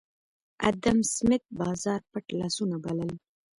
ادم سمېت بازار پټ لاسونه بلل